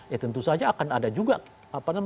ya tentu saja akan ada juga